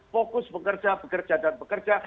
fokus bekerja bekerja dan bekerja